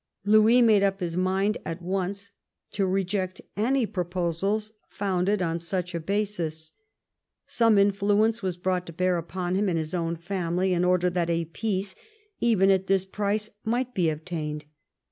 Louis made up his mind at once to reject any proposals founded on such a basis. Some influence was brought to bear upon him in his own family in order that a peace, even at this price, might be obtained.